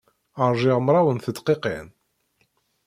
Ṛjiɣ mraw n tedqiqin.